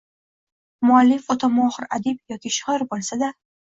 Muallif o‘ta mohir adib yoki shoir bo‘lsa-da